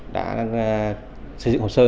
đã xây dựng hồ sơ